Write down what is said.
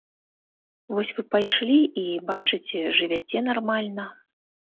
Вось вы пайшлі і, бачыце, жывяце нармальна.